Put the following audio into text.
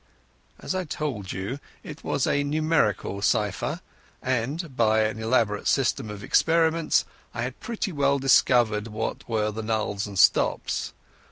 As I told you, it was a numerical cypher, and by an elaborate system of experiments I had pretty well discovered what were the nulls and stops.